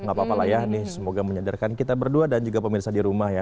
gak apa apalah ya semoga menyadarkan kita berdua dan juga pemirsa di rumah ya